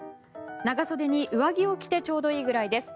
長袖に上着を着てちょうどいいぐらいです。